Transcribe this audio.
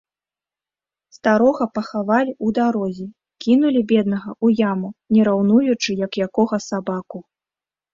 Старога пахавалі ў дарозе, кінулі, беднага, у яму, не раўнуючы, як якога сабаку.